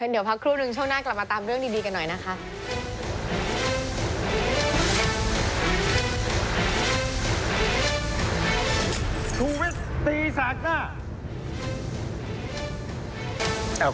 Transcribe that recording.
เดี๋ยวพักครู่นึงช่วงหน้ากลับมาตามเรื่องดีกันหน่อยนะคะ